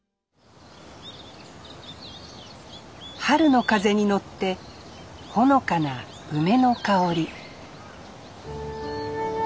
春の風に乗ってほのかな梅の香り